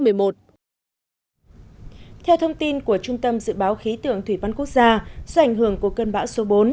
theo thông tin của trung tâm dự báo khí tượng thủy văn quốc gia do ảnh hưởng của cơn bão số bốn